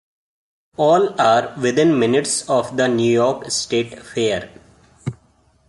All are within minutes of the New York State Fair.